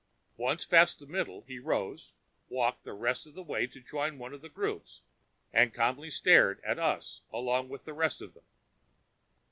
Once past the middle, he rose, walked the rest of the way to join one of the groups and calmly stared at us along with the rest of them.